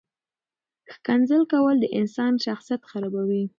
ښکنځل کول د انسان شخصیت خرابوي.